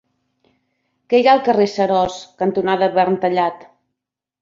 Què hi ha al carrer Seròs cantonada Verntallat?